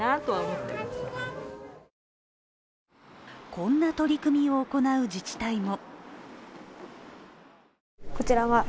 こんな取り組みを行う自治体も。